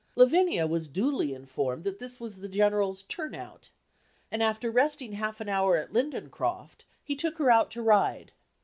Lavinia was duly informed that this was the General's "turn out"; and after resting half an hour at Lindencroft, he took her out to ride.